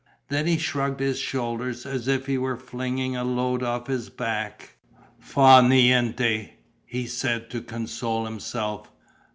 Then he shrugged his shoulders, as if he were flinging a load off his back: "Fa niente!" he said to console himself.